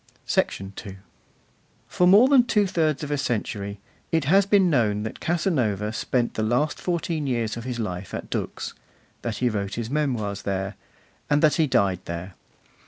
II For more than two thirds of a century it has been known that Casanova spent the last fourteen years of his life at Dux, that he wrote his Memoirs there, and that he died there.